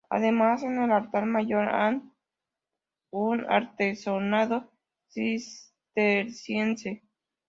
Además, en el altar mayor hay un artesonado cisterciense.